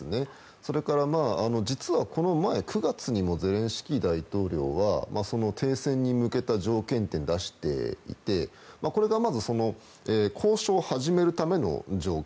それから、実は９月にもゼレンスキー大統領は停戦に向けた条件を出していてこれが交渉を始めるための条件。